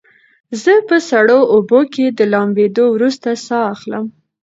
زه په سړو اوبو کې د لامبېدو وروسته ساه اخلم.